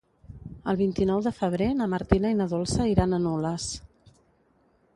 El vint-i-nou de febrer na Martina i na Dolça iran a Nules.